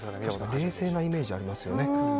冷静なイメージがありますよね。